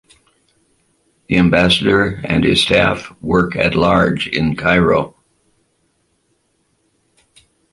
The ambassador and his staff work at large in the in Cairo.